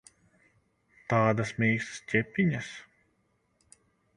Tādas mīkstas ķepiņas!